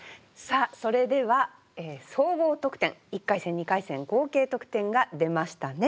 それでは総合得点１回戦２回戦合計得点が出ましたね。